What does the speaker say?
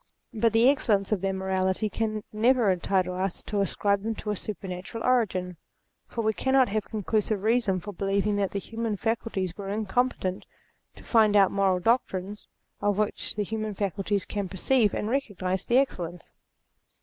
But the excellence of their morality can never entitle us to ascribe to them a supernatural origin : for we cannot have conclusive reason for believing that the human faculties were incompetent to find out moral doctrines of which the human facul ties can perceive and recognize the excellence.